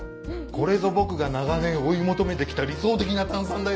これぞ僕が長年追い求めてきた理想的な炭酸だよ。